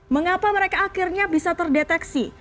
mengapa mereka akhirnya bisa terdeteksi